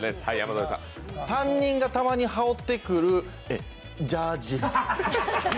担任がたまに羽織ってくるジャージ。